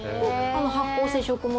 発酵性食物